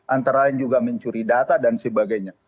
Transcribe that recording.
antara lain juga mencuri data dan sebagainya